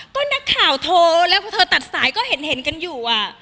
ก็นักข่าวโทรแล้วพอเธอตัดสายก็เห็นกันอยู่